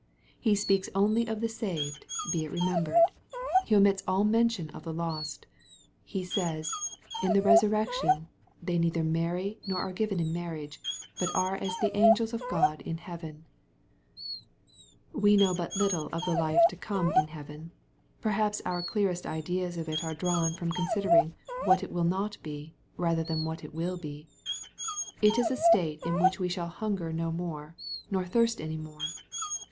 He speaks only of the saved, be it remembered. He omits all mention of the lost. He says, "In the resurrection they neither marry nor are given in marriage, but are as the angels^ of God in heaven,'^ rWe know but little of the life to come in heaven. N Perhaps our clearest ideas of it are drawn from consider ing what it will not be, rather than what it will be. It is a state in which we shall hunger no more, nor thirst any more.